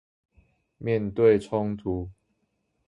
面對衝突